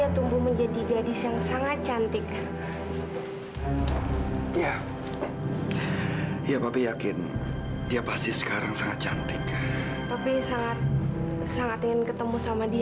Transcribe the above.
aduh balikin anak aku aduh balikin anak aku